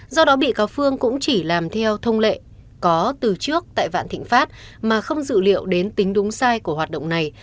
do đó bị cáo phương cũng chỉ làm theo thông lệ có từ trước tại vạn thịnh pháp mà không dự liệu đến tính đúng sai của hoạt động này